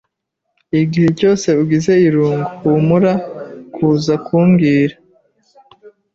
Igihe cyose ugize irungu, humura kuza kumbwira.